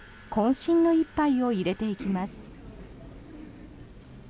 身の一杯を入れていきます。